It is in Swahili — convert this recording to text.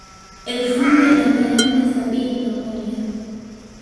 Elfu nne na mia nne sabini na moja